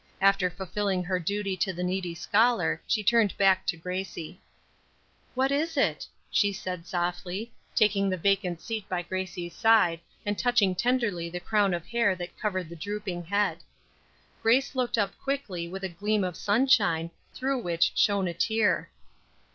After fulfilling her duty to the needy scholar she turned back to Grace. "What is it?" she said, softly, taking the vacant seat by Grace's side, and touching tenderly the crown of hair that covered the drooping head. Grace looked up quickly with a gleam of sunshine, through which shone a tear.